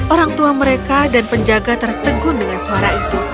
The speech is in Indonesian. orang tua mereka dan penjaga tertegun dengan suara itu